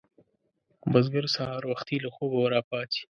بزګر سهار وختي له خوبه راپاڅي